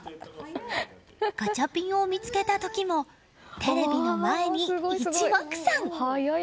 ガチャピンを見つけた時もテレビの前に、一目散！